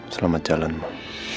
selamat jalan mak